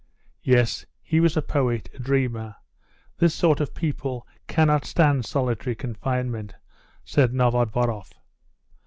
"Yes, he was a poet, a dreamer; this sort of people cannot stand solitary confinement," said Novodvoroff.